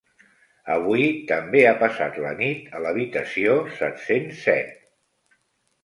Avui també ha passat la nit a l'habitació set-cents set.